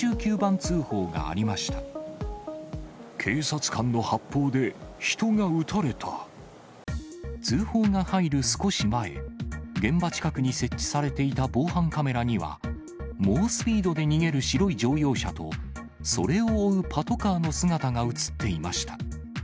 通報が入る少し前、現場近くに設置されていた防犯カメラには、猛スピードで逃げる白い乗用車と、それを追うパトカーの姿が写っていました。